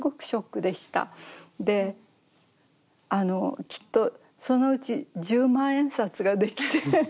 であのきっとそのうち十万円札ができて。